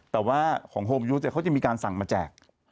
แต่ว่าของโฮมยูสเขาจะมีการสั่งมาแจก